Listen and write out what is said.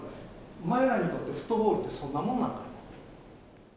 お前らにとってフットボールってそんなもんなんかい？